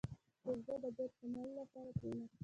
• د زړۀ د بوج کمولو لپاره کښېنه.